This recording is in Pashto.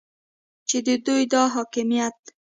چې د دوی دا حاکمیت